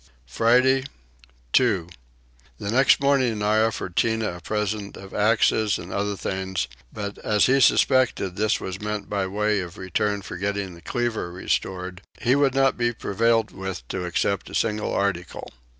Friday 2. The next morning I offered Tinah a present of axes and other things but, as he suspected this was meant by way of return for getting the cleaver restored, he would not be prevailed with to accept a single article.